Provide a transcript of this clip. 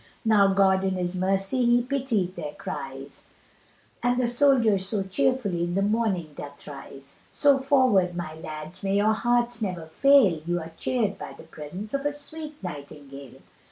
Now God in his mercy He pity'd their cries, And the soldier so cheerfully in the morning doth rise, So forward my lads, may your hearts never fail, You are cheered by the presence of a sweet Nightingale.